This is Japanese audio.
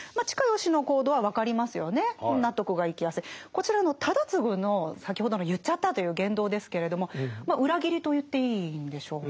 こちらの忠次の先ほどの言っちゃったという言動ですけれども裏切りと言っていいんでしょうか。